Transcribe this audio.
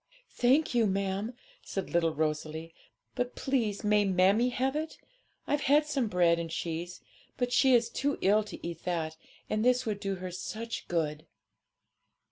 'Thank you, ma'am,' said little Rosalie; 'but please may mammie have it? I've had some bread and cheese; but she is too ill to eat that, and this would do her such good.'